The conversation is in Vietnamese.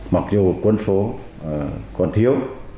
mặc dù quân phố còn thiếu